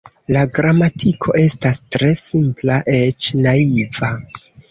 La gramatiko estas tre simpla, eĉ naiva.